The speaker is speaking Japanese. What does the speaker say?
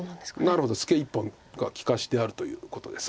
なるほどツケ１本が利かしであるということですか。